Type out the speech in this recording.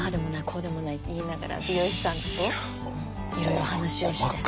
こうでもないって言いながら美容師さんといろいろ話をして。